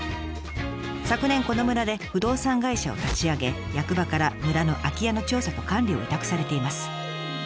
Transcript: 昨年この村で不動産会社を立ち上げ役場から村の空き家の調査と管理を委託されています。